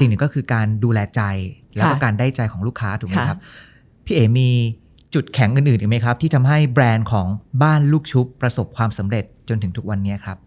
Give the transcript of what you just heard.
สิ่งหนึ่งก็คือการดูแลใจแล้วก็การได้ใจของลูกค้าถูกไหมครับพี่เอ๋มีจุดแข็งอื่นอีกไหมครับที่ทำให้แบรนด์ของบ้านลูกชุบประสบความสำเร็จจนถึงทุกวันนี้ครับ